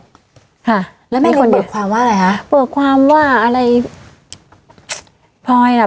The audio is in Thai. ค่ะแล้วแม่งเปิดความว่าอะไรฮะ